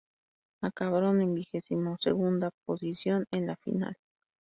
Acabaron en vigesimosegunda posición en la final.